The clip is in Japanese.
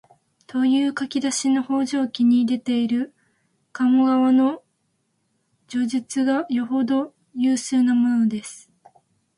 という書き出しの「方丈記」に出ている鴨川の叙述がよほど有数なものです